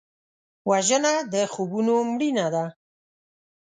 وژنه د خوبونو مړینه ده